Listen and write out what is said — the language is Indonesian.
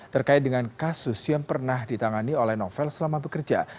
terkait dengan kasus yang pernah ditangani oleh novel selama bekerja